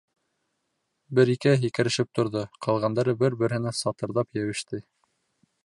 Бер-икеһе һикерешеп торҙо, ҡалғандары бер-береһенә сатырҙап йәбеште.